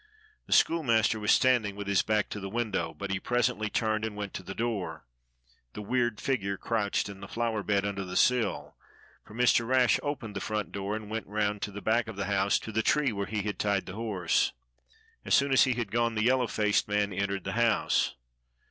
The schoolmaster was standing with his back to the window, but he presently turned and went to the door. The weird figure crouched in the flower bed under the sill, for Mr. Rash opened the front door and went round to the back of the house to the tree where he had tied the horse. As soon as he had gone the yellow faced man entered the house.